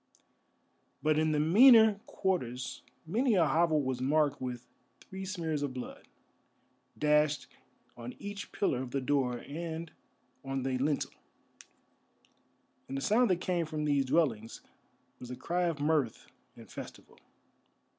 But in the meaner quarters many a hovel was marked with three smears of blood, dashed on each pillar of the door and on the lintel; and the sound that came from these dwellings was the cry of mirth and festival.